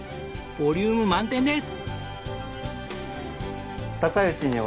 ボリューム満点です。